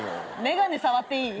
眼鏡触っていい？